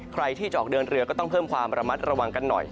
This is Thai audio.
ใครที่จะออกเดินเรือก็ต้องเพิ่มความระมัดระวังกันหน่อย